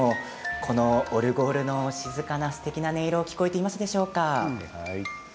このオルゴールの静かな音色聞こえていますでしょうか。